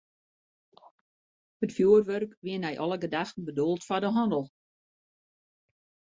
It fjoerwurk wie nei alle gedachten bedoeld foar de hannel.